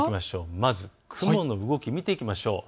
まず雲の動きを見ていきましょう。